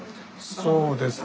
そうですね。